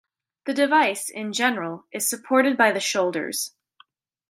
The device, in general, is supported by the shoulders.